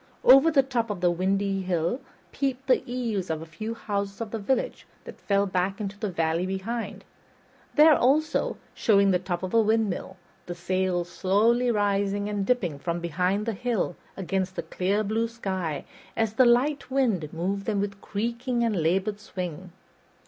Over the top of the windy hill peeped the eaves of a few houses of the village that fell back into the valley behind; there, also, showed the top of a windmill, the sails slowly rising and dipping from behind the hill against the clear blue sky, as the light wind moved them with creaking and labored swing.